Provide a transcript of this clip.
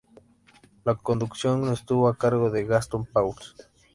La conducción estuvo a cargo de Gastón Pauls.